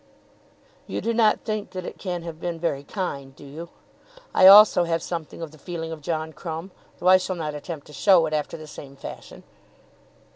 "You do not think that it can have been very kind, do you? I also have something of the feeling of John Crumb, though I shall not attempt to show it after the same fashion."